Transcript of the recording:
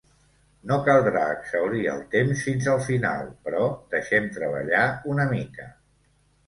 No caldrà exhaurir el temps fins al final, però deixem treballar una mica.